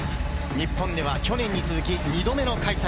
日本では去年に続き、２度目の開催。